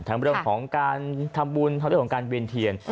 ทั้งเรื่องของการทำบุญทั้งเรื่องของการเวียนเทียน